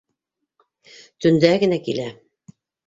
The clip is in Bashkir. Төндә генә килә.